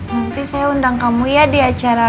nanti saya undang kamu ya di acara